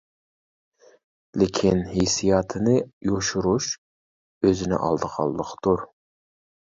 لېكىن ھېسسىياتىنى يوشۇرۇش ئۆزىنى ئالدىغانلىقتۇر.